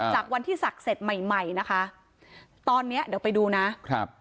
จากวันที่ศักดิ์เสร็จใหม่ใหม่นะคะตอนเนี้ยเดี๋ยวไปดูนะครับ